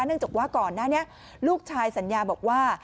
เนื่องจากว่าก่อนนั้นลูกชายสัญญาบอกว่า